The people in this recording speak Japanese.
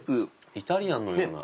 イタリアンのような。